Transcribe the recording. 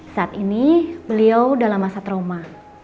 saat ini beliau dalam masa trauma